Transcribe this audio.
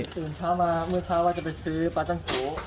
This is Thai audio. ตื่นเช้ามาเมื่อเช้าว่าจะไปซื้อปลาตั้งโถ